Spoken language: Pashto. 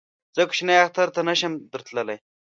زه کوچني اختر ته نه شم در تللی